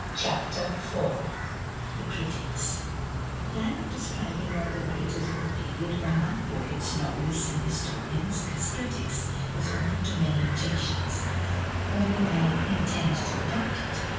CHAPTER IV The Critics The plan of describing all the writers of a period who are not poets, novelists and historians as critics is open to many objections, although I intend to adopt it.